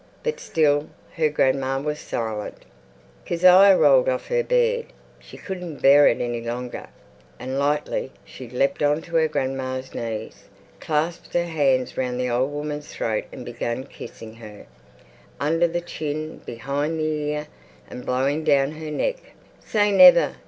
But still her grandma was silent. Kezia rolled off her bed; she couldn't bear it any longer, and lightly she leapt on to her grandma's knees, clasped her hands round the old woman's throat and began kissing her, under the chin, behind the ear, and blowing down her neck. "Say never...